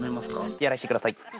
やらしてください。